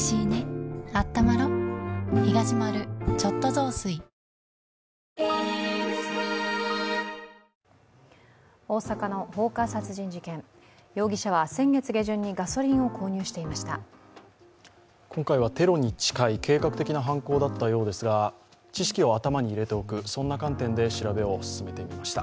今回はテロに近い計画的な犯行だったようですが、知識を頭に入れておく、そんな観点で調べを進めていました。